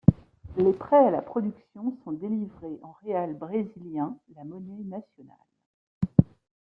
Les prêts à la production sont délivrés en réal brésilien, la monnaie nationale.